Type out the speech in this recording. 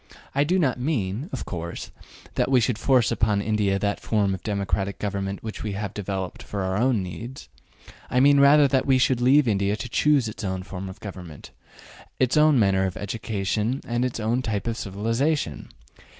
I do not mean, of course, that we should force upon India that form of democratic government which we have developed for our own needs. I mean rather that we should leave India to choose its own form of government, its own manner of education and its own type of civilization.